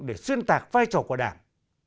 để xuyên tạc vai trò của đảng